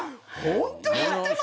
ホントに言ってます？